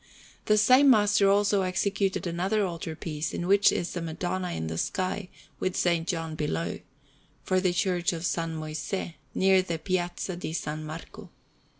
The same master also executed another altar piece, in which is a Madonna in the sky, with S. John below, for the Church of S. Moisè, near the Piazza di S. Marco.